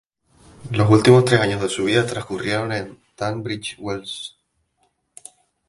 Los últimos tres años de su vida transcurrieron en Tunbridge Wells.